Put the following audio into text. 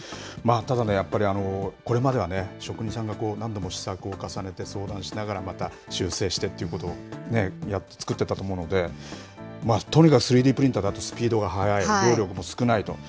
ただね、やっぱりこれまではね、職人さんが何度も試作を重ねて相談しながら、また修正してってことで作ってたと思うので、とにかく３Ｄプリンターだとスピードが速い、労力も少ないと。